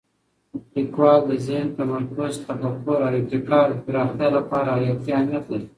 لیکوالی د ذهن تمرکز، تفکر او ابتکار د پراختیا لپاره حیاتي اهمیت لري.